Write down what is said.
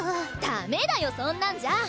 ダメだよそんなんじゃ！